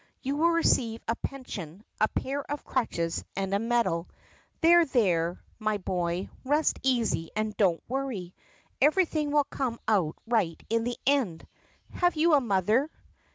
You will receive a pension, a pair of crutches, and a medal. There, there, my boy, rest easy and don't worry. Everything will come out right in the end. Have you a mother?"